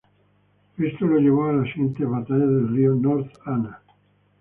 Eso lo llevó a la siguiente batalla del río North Anna.